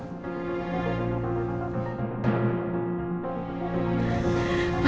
mas tapi kamu sadar gak sih mas